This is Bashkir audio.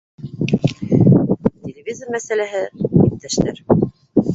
— Телевизор мәсьәләһе, иптәштәр